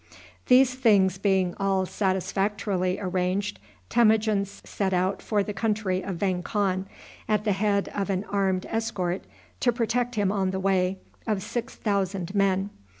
These things being all satisfactorily arranged, Temujin set out for the country of Vang Khan at the head of an armed escort, to protect him on the way, of six thousand men.